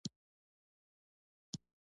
ازادي راډیو د اطلاعاتی تکنالوژي اړوند مرکې کړي.